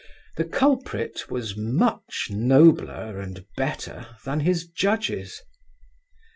The culprit was in much nobler and better than his judges.